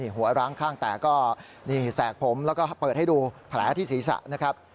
หัวร้างข้างแตกก็นี่แสกผมแล้วก็เปิดให้ดูแผลที่ศีรษะนะครับ